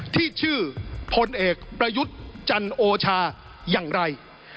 ที่ชื่อพลเอกประยุทธ์จันโอชาอย่างไร